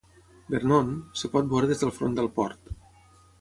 Vernon, es pot veure des del front del port.